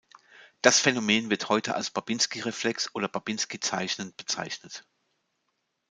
Das Phänomen wird heute als Babinski-Reflex oder "Babinski-Zeichen" bezeichnet.